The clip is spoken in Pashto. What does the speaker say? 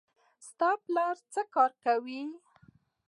ستا پلار څه کار کوي